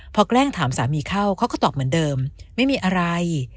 พอแกล้งถามสามีเข้าเขาก็ตอบเหมือนเดิมไม่มีอะไร